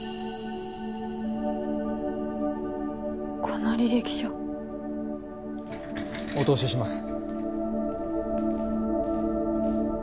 この履歴書お通しします